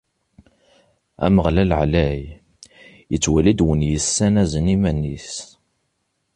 Ameɣlal ɛlay: ittwali-d win yessanazen iman-is.